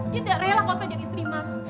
dia tidak rela kau saja istri mas